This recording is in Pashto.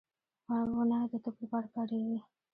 • ونه د طب لپاره کارېږي.